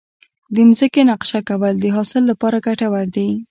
د ځمکې نقشه کول د حاصل لپاره ګټور دي.